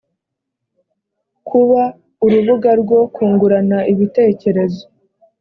kuba urubuga rwo kungurana ibitekerezo